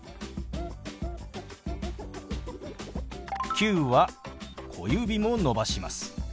「９」は小指も伸ばします。